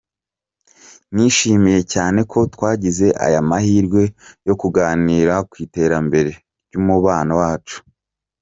Nishimiye cyane ko twagize aya mahirwe yo kuganira ku iterambere ry’umubano wacu.”